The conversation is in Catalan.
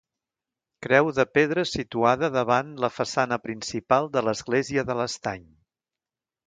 Creu de pedra situada davant la façana principal de l'església de l'Estany.